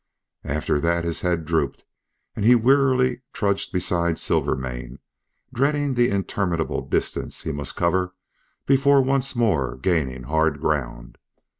After that his head drooped and he wearily trudged beside Silvermane, dreading the interminable distance he must cover before once more gaining hard ground.